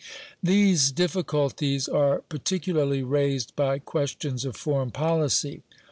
These difficulties are particularly raised by questions of foreign policy.